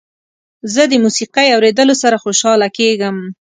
زه د موسيقۍ اوریدلو سره خوشحاله کیږم.